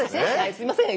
すいません